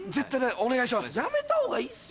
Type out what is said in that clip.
お願いします。